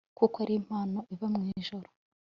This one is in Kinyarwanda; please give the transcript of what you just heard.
kuko ari impano iva mwijuru